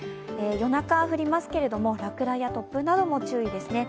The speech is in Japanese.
夜中降りますけれども、落雷や突風なども注意ですね。